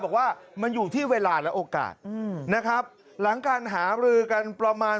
บอกว่ามันอยู่ที่เวลาและโอกาสนะครับหลังการหาบรือกันประมาณ